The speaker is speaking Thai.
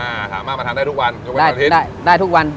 อ่าสามารถมาทานได้ทุกวันได้ทุกวัน